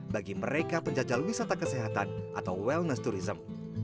bagi mereka penjajal wisata kesehatan atau wellness tourism